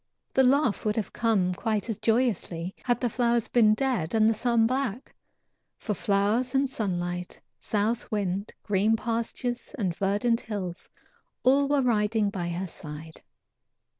The laugh would have come quite as joyously had the flowers been dead and the sun black, for flowers and sunlight, south wind, green pastures and verdant hills, all were riding by her side.